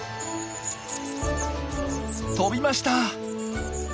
飛びました！